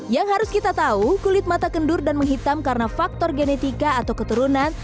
yang harus kita tahu kulit mata kendur dan menghitam karena faktor genetika atau keturunan